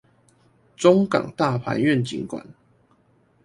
中港大排願景館